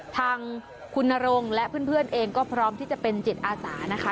ทางคุณนรงและเพื่อนเองก็พร้อมที่จะเป็นจิตอาสานะคะ